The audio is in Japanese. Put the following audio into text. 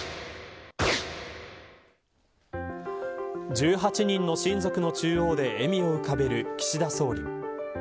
１８人の親族の中央で笑みを浮かべる岸田総理。